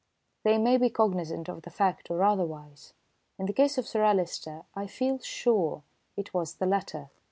They may be cognisant of the fact or otherwise. In the case of Sir Alister I feel sure it was the latter.